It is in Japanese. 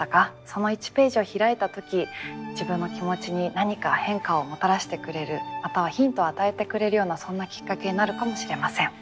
その１ページを開いた時自分の気持ちに何か変化をもたらせてくれるまたはヒントを与えてくれるようなそんなきっかけになるかもしれません。